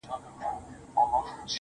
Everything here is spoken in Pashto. مینه چي مو وڅاڅي له ټولو اندامو.